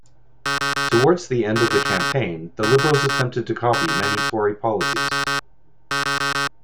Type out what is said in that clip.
Towards the end of the campaign, the Liberals attempted to copy many Tory policies.